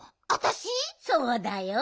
そうだよ。